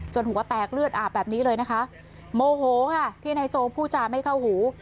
หัวแตกเลือดอาบแบบนี้เลยนะคะโมโหค่ะที่นายโซพูดจาไม่เข้าหู